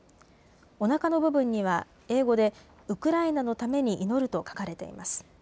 おなかの部分には英語でウクライナのために祈ると書かれています。